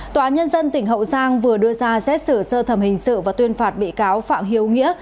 tòa nhân dân tỉnh hậu giang vừa đưa ra xét xử sơ thẩm hình sự và tuyên phạt bị cáo phạm hiếu nghĩa